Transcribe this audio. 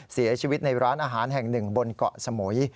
เสียชีวิตในร้านอาหารแห่งหนึ่งบนเกาะสมุย